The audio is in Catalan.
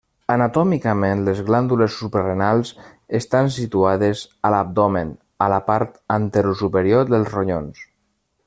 Anatòmicament, les glàndules suprarenals estan situades a l'abdomen, a la part anterosuperior dels ronyons.